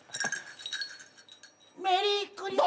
メリークリスマス。